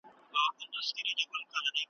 په سل گونو ستا په شان هلته نور خره دي `